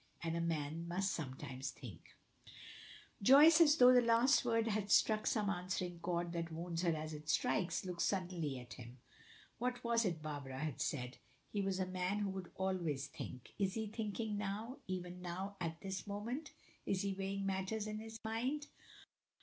And a man must sometimes think!" Joyce, as though the last word has struck some answering chord that wounds her as it strikes, looks suddenly at him. What was it Barbara had said? "He was a man who would always think," is he thinking now even now at this moment? is he weighing matters in his mind?